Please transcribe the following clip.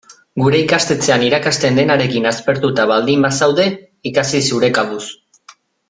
Gure ikastetxean irakasten denarekin aspertuta baldin bazaude, ikasi zure kabuz.